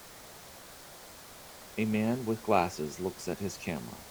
A man with glasses looks at his camera.